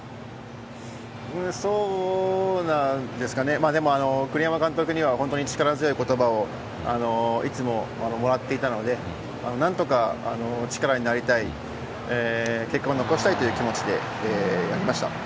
そうなんですかね、でも、栗山監督には、本当に力強いことばをいつももらっていたので、なんとか力になりたい、結果を残したいという気持ちでやりました。